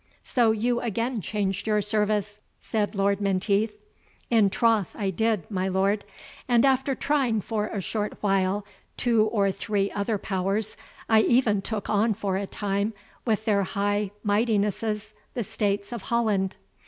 "So you again changed your service?" said Lord Menteith. "In troth did I, my lord; and after trying for a short while two or three other powers, I even took on for a time with their High Mightinesses the States of Holland."